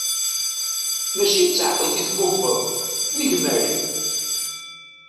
Mačči d taɛkemt i tbubbeḍ, d gma-k!